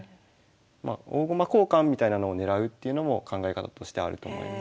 まあ大駒交換みたいなのを狙うっていうのも考え方としてあると思います。